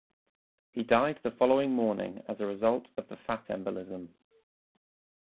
He died the following morning as a result of the fat embolism.